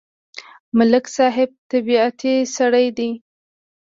ملک صاحب طبیعتی سړی دی.